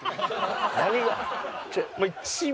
何が？